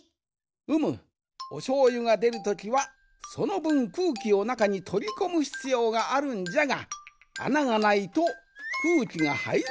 うむおしょうゆがでるときはそのぶんくうきをなかにとりこむひつようがあるんじゃがあながないとくうきがはいれなくなってしまう。